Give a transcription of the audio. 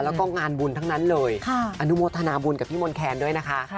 แล้วก็งานบุญทั้งนั้นเลยอนุโมทนาบุญกับพี่มนต์แคนด้วยนะคะ